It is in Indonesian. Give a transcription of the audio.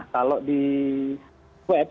kalau di swab